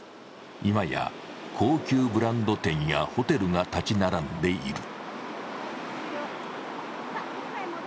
今や高級ブランド店やホテルが建ち並んでいる。